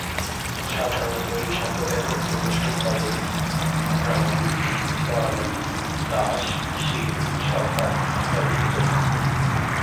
সাধারণত এই সম্প্রদায় ভুক্ত গোষ্ঠীর পদবি প্রামানিক, পরামানিক, দাস, শীল, সরকার, ইত্যাদি হয়ে থাকে।